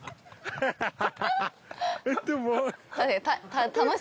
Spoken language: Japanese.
ハハハハ！